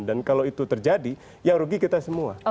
dan kalau itu terjadi ya rugi kita semua